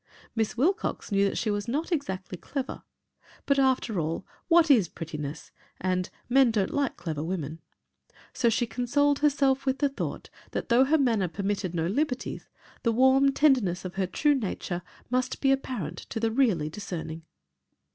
Miss Wilcox knew that she was not exactly clever. But after all, what is prettiness and "men don't like clever women." So she consoled herself with the thought that though her manner "permitted no liberties," the warm tenderness of her true nature must be apparent to the really discerning.